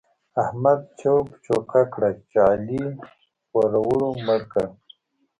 احمد چوک چوکه کړه چې علي پوروړو مړ کړ.